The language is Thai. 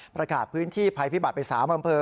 ประกาศพื้นที่ภัยพิบัตรไป๓อำเภอ